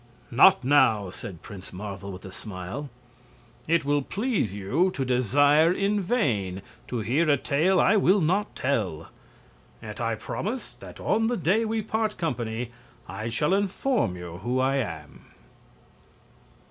"Not now," said Prince Marvel, with a smile. "It will please you to desire in vain to hear a tale I will not tell. Yet I promise that on the day we part company I shall inform you who I am."